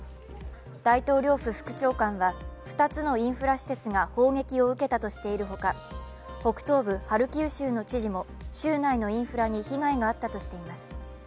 大統領副長官は２つのインフラ施設が砲撃を受けたとしているほか、北東部ハルキウ州の知事も州内のインフラに被害があったとしています。